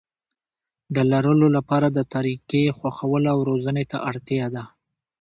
د لرلو لپاره د طريقې خوښولو او روزنې ته اړتيا ده.